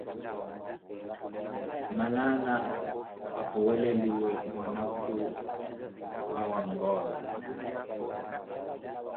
Manaana apuweleliwe mwanakhu a wangola.